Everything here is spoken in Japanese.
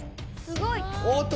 すごい。